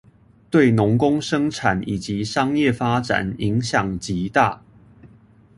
對農工生產以及商業發展影響極大